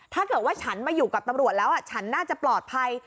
ถ้าเกิดว่าฉันมาอยู่กับตำรวจแล้วฉันน่าจะปลอดภัย